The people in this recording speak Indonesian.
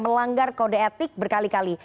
melanggar kode etik berkali kali